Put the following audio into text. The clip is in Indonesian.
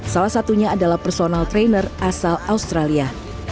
salah satunya adalah personal trainer asal australia